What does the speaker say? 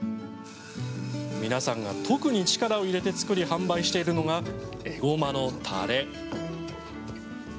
皆さんが特に力を入れて作り販売しているのが、えごまのたれ。